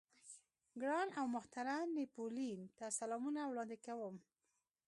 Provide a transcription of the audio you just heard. ګران او محترم نيپولېين ته سلامونه وړاندې کوم.